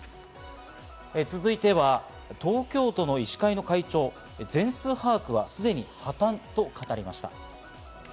続いては東京都の医師会の会長、全数把握はすでに破綻と語りました。